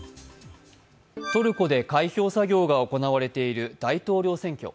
トルコで開票作業が行われている大統領選挙。